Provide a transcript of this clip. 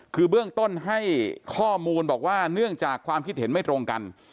คือเบื้องต้นให้ข้อมูลบอกว่าเนื่องจากความคิดเห็นไม่ตรงกัน